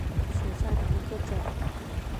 深山毛茛为毛茛科毛茛属下的一个种。